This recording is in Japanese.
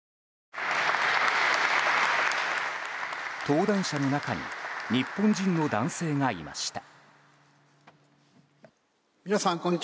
登壇者の中に日本人の男性がいました。